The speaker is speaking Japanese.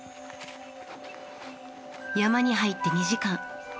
山に入って２時間。